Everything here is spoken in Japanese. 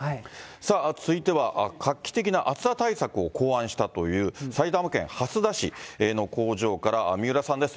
さあ、続いては画期的な暑さ対策を考案したという、埼玉県蓮田市の工場から、三浦さんです。